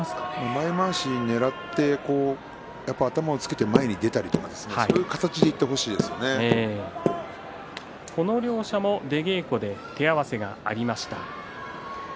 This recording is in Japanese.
前まわしをねらって頭をつけて前に出たりとかこの両者も出稽古で手合わせがありました。